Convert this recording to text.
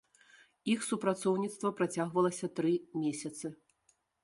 Іх супрацоўніцтва працягвалася тры месяцы.